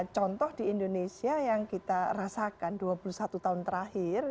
contoh di indonesia yang kita rasakan dua puluh satu tahun terakhir